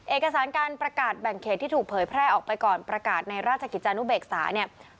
เอกสารการประกาศแบ่งเขตที่ถูกเผยแพร่ออกไปก่อนประกาศในราชกิจจานุเบกษาเนี่ย